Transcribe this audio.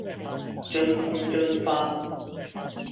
真空蒸發